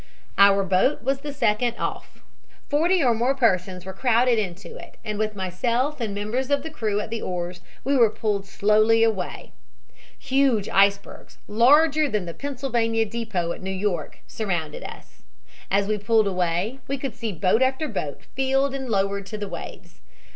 "Our boat was the second off. Forty or more persons were crowded into it, and with myself and members of the crew at the oars, were pulled slowly away. Huge icebergs, larger than the Pennsylvania depot at New York, surrounded us. As we pulled away we could see boat after boat filled and lowered to the waves.